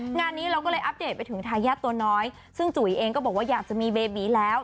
งานนี้เราก็เลยอัปเดตไปถึงทายาทตัวน้อยซึ่งจุ๋ยเองก็บอกว่าอยากจะมีเบบีแล้ว